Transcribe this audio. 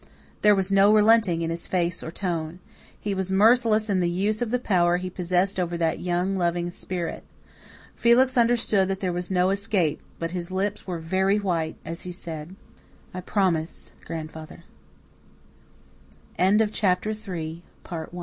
There was no relenting in his face or tone. He was merciless in the use of the power he possessed over that young, loving spirit. Felix understood that there was no escape; but his lips were very white as he said, "I promise, grandfather." Mr. Leonard drew a long breath of relief.